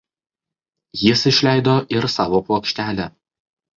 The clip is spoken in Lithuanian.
Jis išleido ir savo plokštelę.